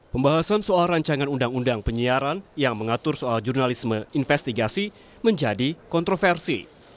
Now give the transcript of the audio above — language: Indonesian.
pembahasan soal rancangan undang undang penyiaran yang mengatur soal jurnalisme investigasi menjadi kontroversi